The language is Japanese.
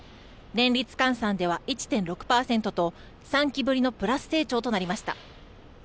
年率換算では１．６％と３期ぶりのプラス成長となりました。